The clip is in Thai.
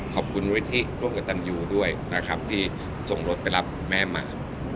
ขอบคุณวิธีร่วมกับตันยูด้วยนะครับที่ส่งรถไปรับคุณแม่มา